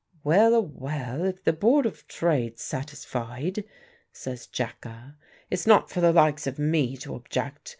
"Well a well, if the Board of Trade's satisfied," says Jacka, "it's not for the likes of me to object.